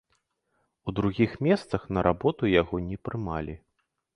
У другіх месцах на работу яго не прымалі.